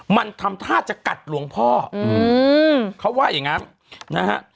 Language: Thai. มันทำท่าจะกัดหลวงพ่ออืมเขาว่าอย่างงั้นนะฮะ